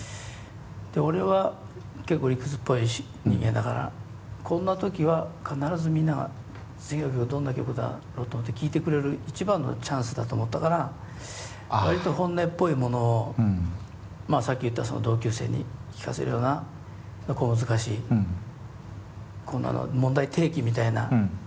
で俺は結構理屈っぽい人間だからこんな時は必ずみんなが次の曲どんな曲だろうと思って聴いてくれる一番のチャンスだと思ったから割と本音っぽいものをまあさっき言った同級生に聴かせるような小難しいこんな問題提起みたいな。